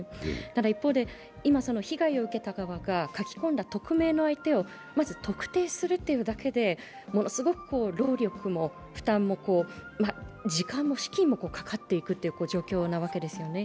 ただ一方で、今、被害を受けた側が書き込んだ匿名の相手をまず特定するというのだけでものすごく労力も負担も時間も資金もかかっていくという状況なわけですよね。